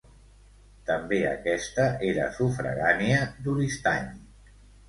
També aquesta era sufragània d'Oristany.